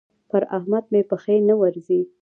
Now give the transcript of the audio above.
پر احمد مې پښې نه ورځي.